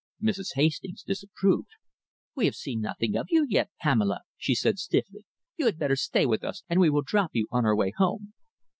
Mrs. Hastings disapproved. "We have seen nothing of you yet, Pamela," she said stiffly. "You had better stay with us and we will drop you on our way home."